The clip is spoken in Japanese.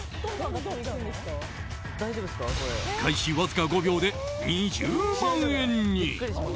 開始わずか５秒で２０万円に。